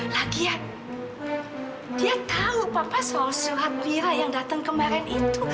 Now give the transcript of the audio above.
lagian dia tahu papa soal surat wira yang datang kemarin itu